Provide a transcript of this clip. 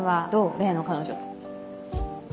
例の彼女と。